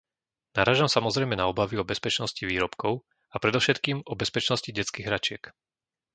Narážam samozrejme na obavy o bezpečnosti výrobkov a predovšetkým o bezpečnosti detských hračiek.